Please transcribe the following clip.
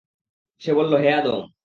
সে বলল, হে আদম!